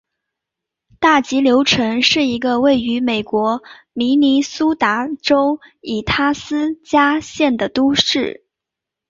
大急流城是一个位于美国明尼苏达州伊塔斯加县的都市。